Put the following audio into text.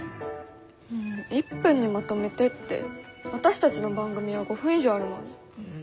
１分にまとめてって私たちの番組は５分以上あるのに。